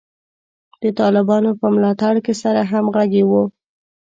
د طالبانو په ملاتړ کې سره همغږي وو.